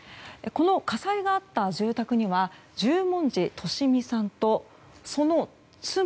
火災があった住宅には十文字利美さんとその妻。